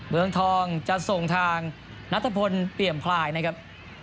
เมืองทองจะส่งทางนัทพลเปี่ยมพลายนะครับ